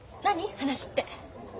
話って。